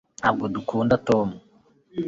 ntabwo dukunda tom